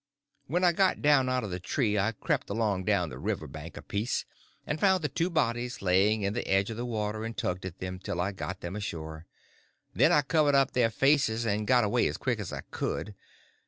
When I got down out of the tree I crept along down the river bank a piece, and found the two bodies laying in the edge of the water, and tugged at them till I got them ashore; then I covered up their faces, and got away as quick as I could.